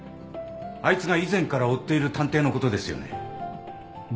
あいつが以前から追っている探偵のことですよね？